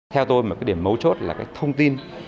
theo tôi một cái điểm mấu chốt là cái thông tin